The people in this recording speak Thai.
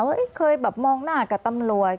ว่าเคยมองหน้ากับตำรวจ